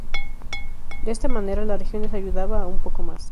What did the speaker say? De esta manera la región es ayudada un poco más.